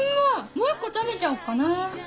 もう１個食べちゃおっかな。